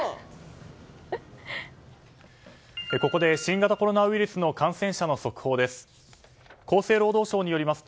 ここで新型コロナウイルスの感染者の速報です。